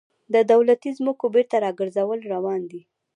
د دولتي ځمکو بیرته راګرځول روان دي